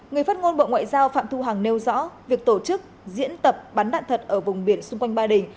người phát ngôn bộ ngoại giao phạm thu hằng nêu rõ việc tổ chức diễn tập bắn đạn thật ở vùng biển xung quanh ba đình